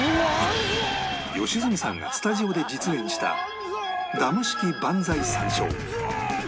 良純さんがスタジオで実演したダム式万歳三唱